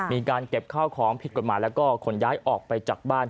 มีการเก็บข้าวของผิดกฎหมายแล้วก็ขนย้ายออกไปจากบ้าน